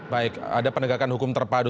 baik ada penegakan hukum terpadu